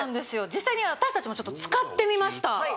実際に私達も使ってみました